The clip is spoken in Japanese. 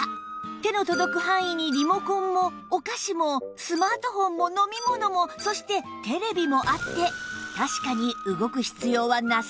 手の届く範囲にリモコンもお菓子もスマートフォンも飲み物もそしてテレビもあって